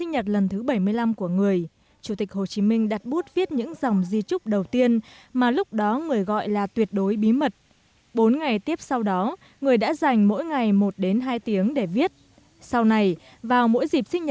hồ chí minh